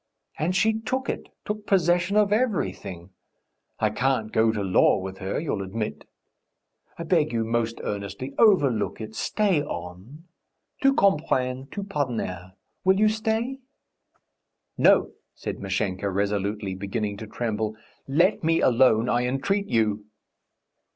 And she took it, took possession of everything.... I can't go to law with her, you'll admit.... I beg you most earnestly, overlook it ... stay on. Tout comprendre, tout pardonner. Will you stay?" "No!" said Mashenka resolutely, beginning to tremble. "Let me alone, I entreat you!"